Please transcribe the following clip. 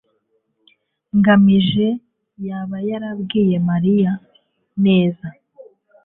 ngamije yaba yarabwiye mariya? neza